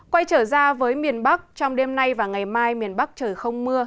quay trở ra với miền bắc trong đêm nay và ngày mai miền bắc trời không mưa